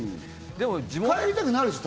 帰りたくなるでしょ？